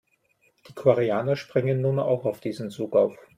Die Koreaner springen nun auch auf diesen Zug auf.